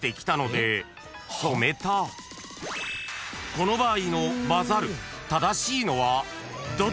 ［この場合の「まざる」正しいのはどっち？］